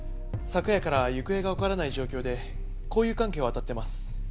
昨夜から行方がわからない状況で交友関係をあたってます。